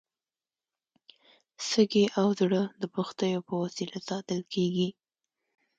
سږي او زړه د پښتیو په وسیله ساتل کېږي.